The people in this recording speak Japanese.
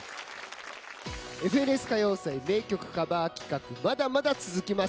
「ＦＮＳ歌謡祭」名曲カバー企画まだまだ続きます。